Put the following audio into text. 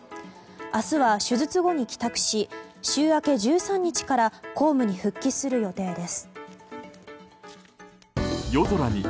明日は手術後に帰宅し週明け１３日から公務に復帰する予定です。